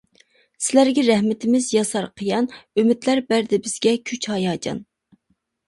سىلەرگە رەھمىتىمىز ياسار قىيان، ئۈمىدلەر بەردى بىزگە كۈچ، ھاياجان.